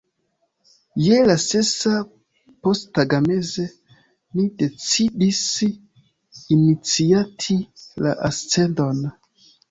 Je la sesa posttagmeze ni decidis iniciati la ascendon.